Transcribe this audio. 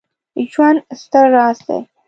ژوند ستر راز دی